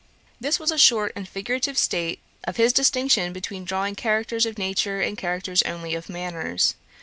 This was a short and figurative state of his distinction between drawing characters of nature and characters only of manners.